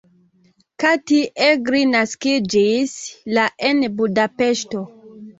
Kati Egri naskiĝis la en Budapeŝto.